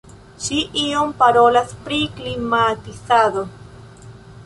Ŝi ion parolas pri klimatizado.